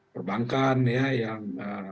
perbankan ya yang